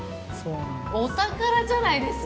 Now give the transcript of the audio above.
お宝じゃないですか！